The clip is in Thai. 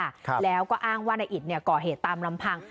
ครับแล้วก็อ้างว่านายอิตเนี่ยก่อเหตุตามลำพัง